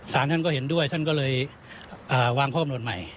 สารท่านก็เห็นด้วยท่านก็เลยวางข้อกำหนดใหม่